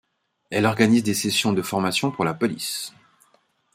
Elle organise des sessions de formation pour la police.